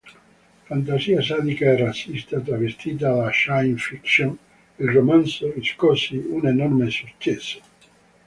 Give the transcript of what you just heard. Fantasia sadica e razzista travestita da "science fiction", il romanzo riscosse un enorme successo.